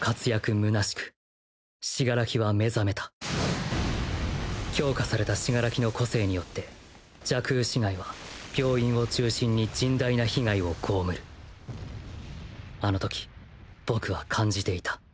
むなしく死柄木は目覚めた強化された死柄木の個性によって蛇腔市街は病院を中心に甚大な被害を被るあのとき僕は感じていた。